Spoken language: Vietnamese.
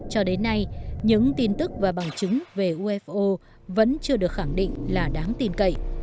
cho đến nay những tin tức và bằng chứng về ufo vẫn chưa được khẳng định là đáng tin cậy